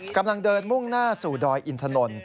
กำลังเดินมุ่งหน้าสู่ดอยอินทนนท์